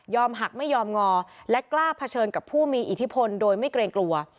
หักไม่ยอมงอและกล้าเผชิญกับผู้มีอิทธิพลโดยไม่เกรงกลัว